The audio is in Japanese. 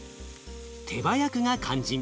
手早くが肝心。